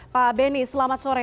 pak beni selamat sore